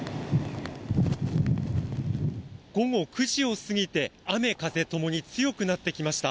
午後９時を過ぎて雨風共に強くなってきました。